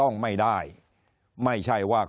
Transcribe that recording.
คนในวงการสื่อ๓๐องค์กร